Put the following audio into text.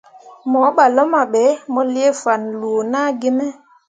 Mo ɓah luma ɓe, mo lii fanloo naa gi me.